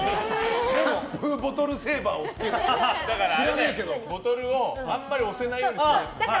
シャンプーボトルセーバーをだからボトルをあんまり押せないようにするやつ。